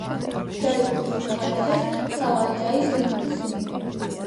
ჯაიპურის მაჰარაჯას სავაი ჯაი სინგჰის მიერ.